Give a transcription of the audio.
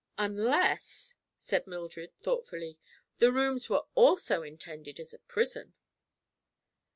"Unless," said Mildred, thoughtfully, "the rooms were also intended as a prison."